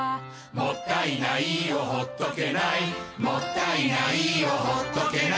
「もったいないをほっとけない」「もったいないをほっとけない」